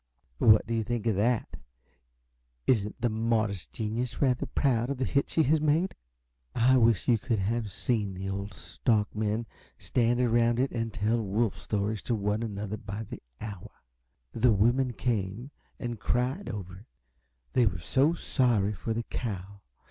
"What do you think of that? Isn't the 'modest genius' rather proud of the hit she has made? I wish you could have seen the old stockmen stand around it and tell wolf stories to one another by the hour. The women came and cried over it they were so sorry for the cow.